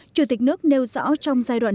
chủ tịch nước nêu rõ trong giai đoạn này